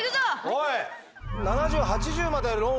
おい！